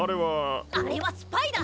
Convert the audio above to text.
あれはスパイだ！